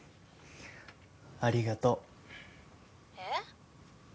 ありがとう。えっ？